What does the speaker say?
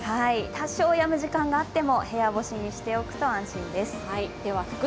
多少やむ時間があっても部屋干しにしておくと安心です。